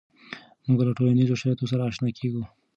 مونږ له ټولنیزو شرایطو سره آشنا کیږو.